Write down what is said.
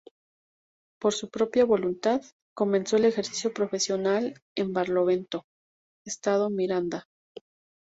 Por su propia voluntad, comenzó al ejercicio profesional en Barlovento, estado Miranda.